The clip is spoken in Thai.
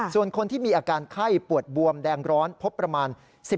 ส่วนคนที่มีอาการไข้ปวดบวมแดงร้อนพบประมาณ